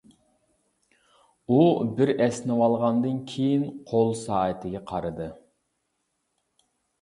ئۇ بىر ئەسنىۋالغاندىن كېيىن قول سائىتىگە قارىدى.